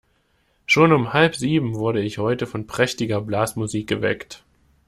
Schon um halb sieben wurde ich heute von prächtiger Blasmusik geweckt.